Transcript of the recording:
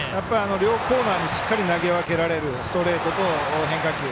両コーナーにしっかり投げ分けられるストレートと変化球。